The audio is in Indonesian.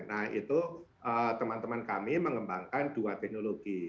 nah itu teman teman kami mengembangkan dua teknologi